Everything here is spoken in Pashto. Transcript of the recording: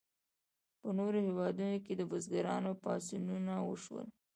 په نورو هیوادونو کې د بزګرانو پاڅونونه وشول.